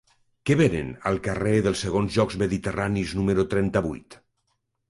Què venen al carrer dels Segons Jocs Mediterranis número trenta-vuit?